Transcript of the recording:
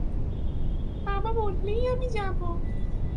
বাবা বললেই আমি যাব।